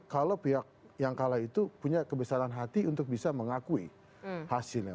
kalau pihak yang kalah itu punya kebesaran hati untuk bisa mengakui hasilnya